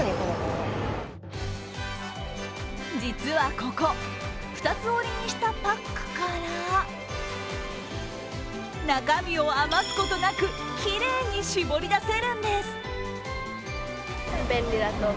実はここ、二つ折りにしたパックから中身を余すことなくきれいに絞り出せるんです。